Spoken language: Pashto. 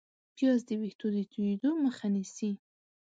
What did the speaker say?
پیاز د ویښتو د تویېدو مخه نیسي